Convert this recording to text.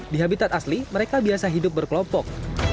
di habitat asli mereka biasa hidup berkelompok